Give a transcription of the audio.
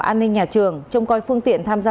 an ninh nhà trường trông coi phương tiện tham gia